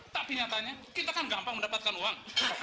tapi nyatanya kita kan gampang mendapatkan uang